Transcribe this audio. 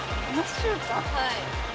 はい。